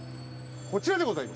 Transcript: こちらでございます。